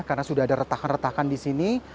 karena sudah ada retakan retakan di sini